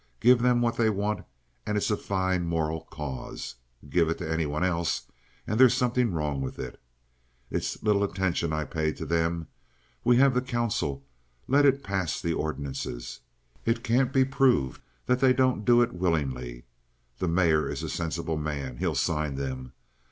Give them what they want, and it's a fine moral cause. Give it to anyone else, and there's something wrong with it. It's little attention I pay to them. We have the council, let it pass the ordinances. It can't be proved that they don't do it willingly. The mayor is a sensible man. He'll sign them.